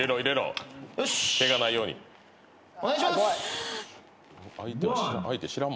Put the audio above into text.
お願いします。